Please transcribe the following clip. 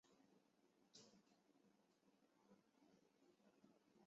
他致力于削弱君士坦丁堡世俗与宗教权贵的势力。